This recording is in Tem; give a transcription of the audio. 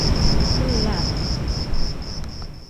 Min-laa.